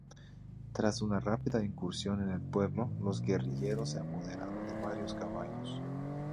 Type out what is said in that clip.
Tras una rápida incursión en el pueblo, los guerrilleros se apoderaron de varios caballos.